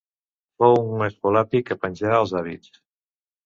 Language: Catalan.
Fou un escolapi que penjà els hàbits.